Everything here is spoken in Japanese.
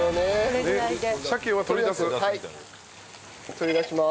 取り出します。